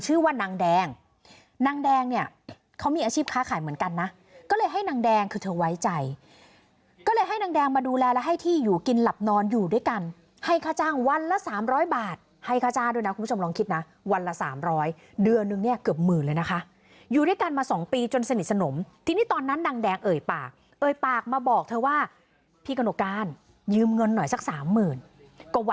ชื่อว่านางแดงนางแดงเนี่ยเขามีอาชีพค้าขายเหมือนกันนะก็เลยให้นางแดงคือเธอไว้ใจก็เลยให้นางแดงมาดูแลและให้ที่อยู่กินหลับนอนอยู่ด้วยกันให้ค่าจ้างวันละ๓๐๐บาทให้ค่าจ้างด้วยนะคุณผู้ชมลองคิดนะวันละ๓๐๐เดือนนึงเนี่ยเกือบหมื่นเลยนะคะอยู่ด้วยกันมาสองปีจนสนิทสนมทีนี้ตอนนั้นนางแดงเอ่ยปากเอ่ยปากมาบอกเธอว่าพี่กระหนกการยืมเงินหน่อยสักสามหมื่นก็ว